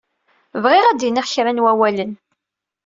Bɣiɣ ad d-iniɣ kra n wawalen.